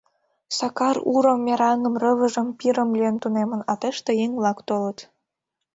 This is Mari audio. Сакар урым, мераҥым, рывыжым, пирым лӱен тунемын, а тыште еҥ-влак толыт.